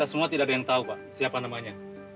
segera buat rumah sakit pak